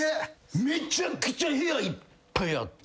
めちゃくちゃ部屋いっぱいあって。